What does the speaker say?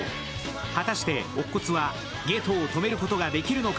果たして乙骨は夏油を止めることができるのか。